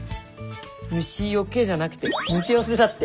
「虫よけ」じゃなくて「虫よせ」だって。